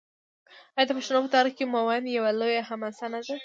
آیا د پښتنو په تاریخ کې میوند یوه لویه حماسه نه ده؟